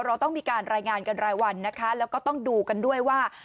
เราต้องมีการรายงานกันรายวันนะคะแล้วก็ต้องดูกันด้วยว่า